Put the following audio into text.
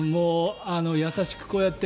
優しくこうやって。